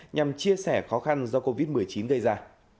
nhằm chia sẻ khó khăn do covid một mươi chín gây ra